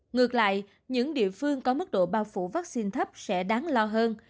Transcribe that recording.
ngược lại những địa phương có mức độ bao phủ vaccine thấp sẽ đáng lo hơn